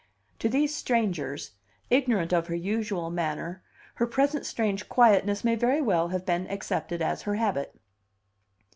To these strangers, ignorant of her usual manner, her present strange quietness may very well have been accepted as her habit.